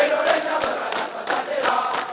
indonesia merata pantasila